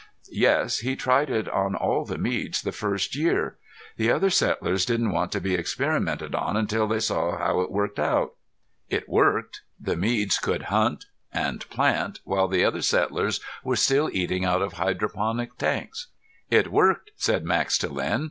"Yes. He tried it on all the Meads the first year. The other settlers didn't want to be experimented on until they saw how it worked out. It worked. The Meads could hunt, and plant while the other settlers were still eating out of hydroponics tanks." "It worked," said Max to Len.